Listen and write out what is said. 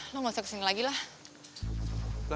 lo gak usah kesini lagi lah